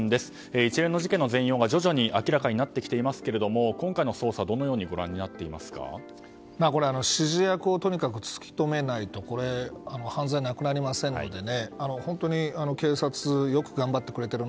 一連の事件の全容が徐々に明らかになってきていますが今回の捜査指示役を、とにかく突き止めないと犯罪はなくなりませんのでね。